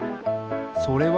それは？